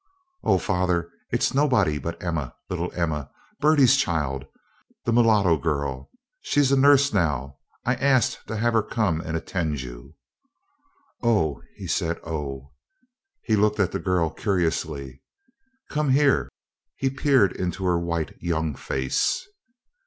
"Oh, father, it's nobody but Emma little Emma Bertie's child the mulatto girl. She's a nurse now, and I asked to have her come and attend you." "Oh," he said, "oh " He looked at the girl curiously. "Come here." He peered into her white young face.